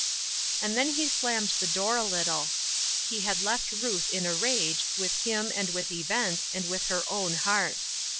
And then he slammed the door a little. He had left Ruth in a rage with him and with events and with her own heart.